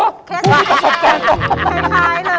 คล้ายเลย